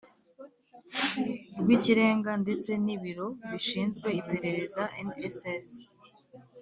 Rw ikirenga ndetse n ibiro bishinzwe iperereza nss